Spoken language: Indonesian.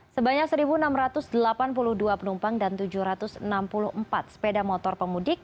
sebanyak satu enam ratus delapan puluh dua penumpang dan tujuh ratus enam puluh empat sepeda motor pemudik